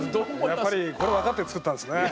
やっぱりこれ分かって作ったんですね。